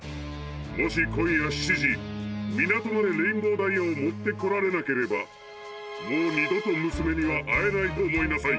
もしこんや７じみなとまでレインボーダイヤをもってこられなければもうにどとむすめにはあえないとおもいなさい。